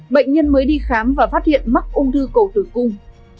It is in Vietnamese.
bệnh nhân mới đi khám và phát hiện mắc ung thư cổ tử cung